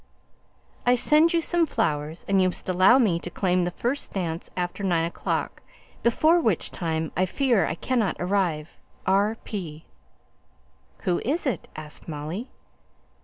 I send you some flowers; and you must allow me to claim the first dance after nine o'clock, before which time I fear I cannot arrive. R. P. "Who is it?" asked Molly.